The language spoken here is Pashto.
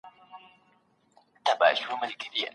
نوي تجربې د ژوند د بدلون لپاره دي.